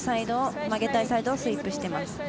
曲げたいサイドをスイープしています。